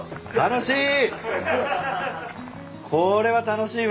楽しい！